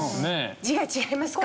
字が違いますね。